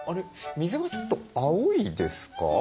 水がちょっと青いですか？